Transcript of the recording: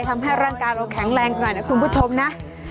ทำให้ร่างกายเราแข็งแรงหน่อยนะคุณผู้ชมนะ